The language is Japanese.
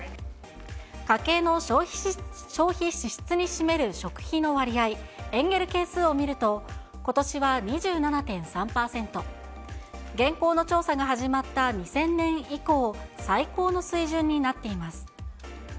家計の消費支出に占める食費の割合、エンゲル係数を見ると、ことしは２７．３％、現行の調査が始まった２０００年以降、最高の水準になっています。